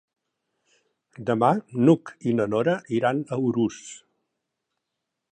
Demà n'Hug i na Nora iran a Urús.